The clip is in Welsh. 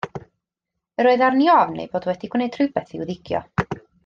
Yr oedd arni ofn ei bod wedi gwneud rhywbeth i'w ddigio.